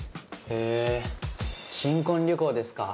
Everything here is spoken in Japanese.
へぇ新婚旅行ですか。